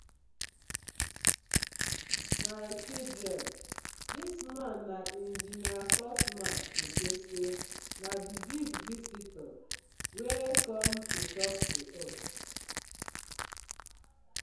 My children, dis man na Engineer Cosmas Edosie, na di big visitor wey com to tok to us.